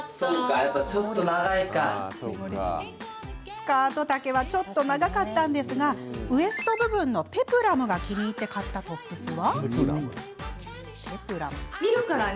スカート丈はちょっと長かったんですがウエスト部分のペプラムが気に入って買ったトップスは？